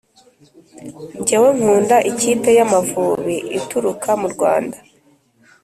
Njyewe nkunda ikipe ya amavubi ituruka mu Rwanda